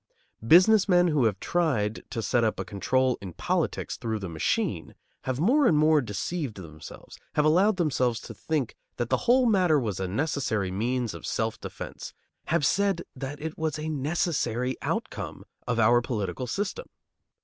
Business men who have tried to set up a control in politics through the machine have more and more deceived themselves, have allowed themselves to think that the whole matter was a necessary means of self defence, have said that it was a necessary outcome of our political system.